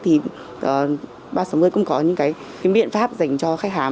thì b ba nghìn sáu trăm một mươi cũng có những cái biện pháp dành cho khách hàng